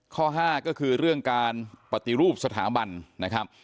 ข้อห้าก็คือเรื่องการปฏิรูปสถาบันนะครับ